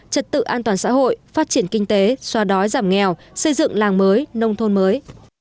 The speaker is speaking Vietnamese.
trật tự an toàn xã hội phát triển kinh tế xoa đói giảm nghèo xây dựng làng mới nông thôn mới